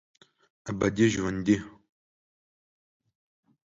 ابدي ژوندي